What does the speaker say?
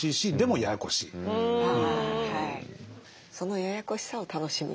そのややこしさを楽しむ。